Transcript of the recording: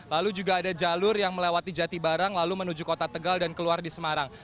lalu juga ada jalur yang melewati jatibarang lalu menuju kota tegal dan keluar di semarang